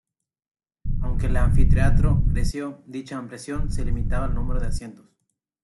Aunque el anfiteatro creció, dicha ampliación se limitaba al número de asientos.